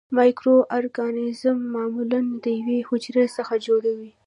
مایکرو ارګانیزمونه معمولاً د یوې حجرې څخه جوړ وي.